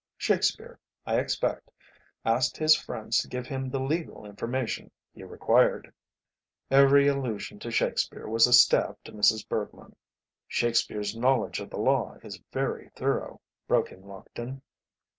Shakespeare, I expect, asked his friends to give him the legal information he required." Every allusion to Shakespeare was a stab to Mrs. Bergmann. "Shakespeare's knowledge of the law is very thorough," broke in Lockton.